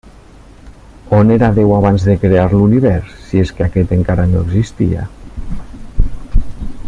On era Déu abans de crear l'univers si és que aquest encara no existia?